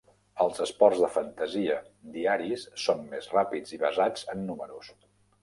Els esports de fantasia diaris són més ràpids i basats en números.